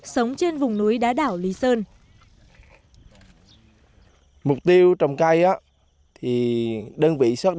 sống trên vùng núi đá đảo lý sơn